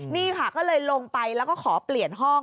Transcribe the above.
นี่ค่ะก็เลยลงไปแล้วก็ขอเปลี่ยนห้อง